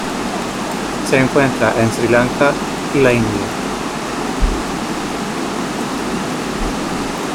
Se encuentra en Sri Lanka y la India.